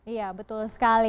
iya betul sekali